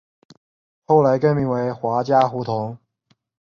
后来更名为华嘉胡同。